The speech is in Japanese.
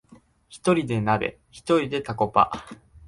ひとりで鍋、ひとりでタコパ